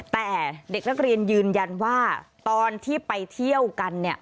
แต่เด็กนักเรียนยืนยันว่าตอนที่ไปเที่ยวกันเนี่ย